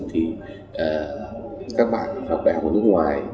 thì các bạn học đại học ở nước ngoài